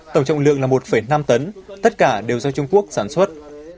tổng trọng lượng là một năm tấn tất cả đều do trung quốc sản xuất